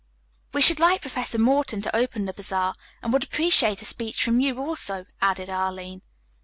"We should like Professor Morton to open the bazaar, and would appreciate a speech from you also," added Arline.